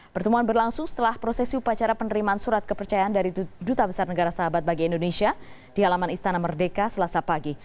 pertemuan berlangsung setelah prosesi upacara penerimaan surat kepercayaan dari duta besar negara sahabat bagi indonesia di halaman istana merdeka selasa pagi